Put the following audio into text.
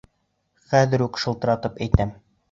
Хәҙер үк шылтыратып әйтәм.